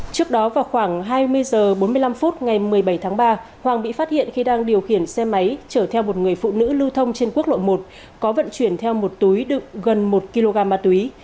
trước đó vào khoảng hai mươi h bốn mươi năm phút ngày một mươi bảy tháng ba hoàng bị phát hiện khi đang điều khiển xe máy chở theo một người phụ nữ lưu thông trên quốc lộ một có vận chuyển theo một túi đựng gần một kg ma túy